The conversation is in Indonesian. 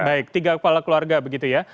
baik tiga kepala keluarga begitu ya